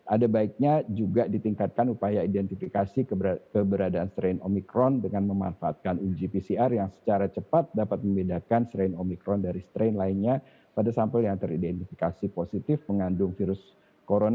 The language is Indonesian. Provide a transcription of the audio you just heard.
ada baiknya juga ditingkatkan upaya identifikasi keberadaan strain omikron dengan memanfaatkan uji pcr yang secara cepat dapat membedakan strain omikron dari strain lainnya pada sampel yang teridentifikasi positif mengandung virus corona